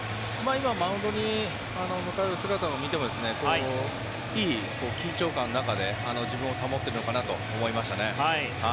今マウンドに向かう姿を見てもいい緊張感の中で自分を保っているのかなと思いましたね。